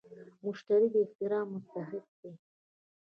مشتري د احترام مستحق دی.